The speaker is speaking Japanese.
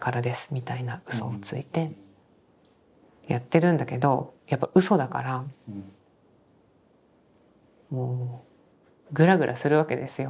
みたいなうそをついてやってるんだけどやっぱうそだからもうグラグラするわけですよ。